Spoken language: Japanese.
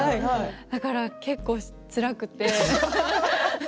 だから結構つらくて。